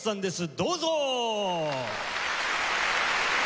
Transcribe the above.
どうぞ！